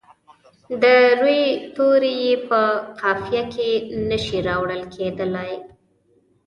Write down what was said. د روي توري یې په قافیه کې نه شي راوړل کیدلای.